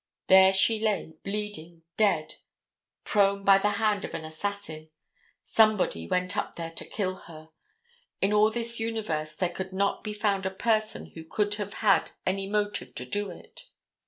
There she lay bleeding, dead, prone by the hand of an assassin. Somebody went up there to kill her. In all this universe there could not be found a person who could have had any motive to do it.